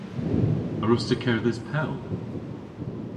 A wruss'ta kerdhes pell?